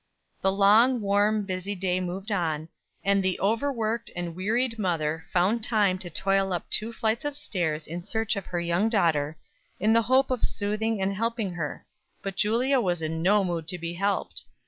The long, warm, busy day moved on; and the overworked and wearied mother found time to toil up two flights of stairs in search of her young daughter, in the hope of soothing and helping her; but Julia was in no mood to be helped.